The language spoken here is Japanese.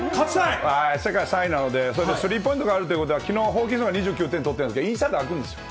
世界３位なので、それとスリーポイントがあるということは、きのうホーキンスが１４点取ってるんですけど、インサイドあくんですよ。